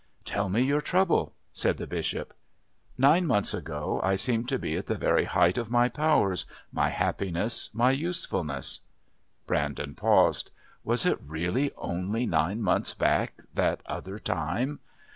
"Tell me your trouble," said the Bishop. "Nine months ago I seemed to be at the very height of my powers, my happiness, my usefulness." Brandon paused. Was it really only nine months back, that other time?